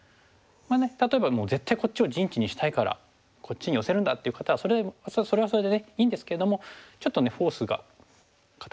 例えばもう絶対こっちを陣地にしたいからこっちに寄せるんだっていう方はそれはそれでいいんですけどもちょっとねフォースが固まってしまうといいますか。